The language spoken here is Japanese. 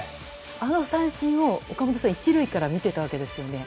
あの三振を岡本さんは１塁から見てたわけですよね。